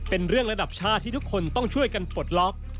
เป็นเรื่องระดับชาติที่ทุกคนต้องช่วยกันปลดล็อก